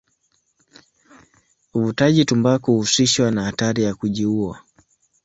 Uvutaji tumbaku huhusishwa na hatari ya kujiua.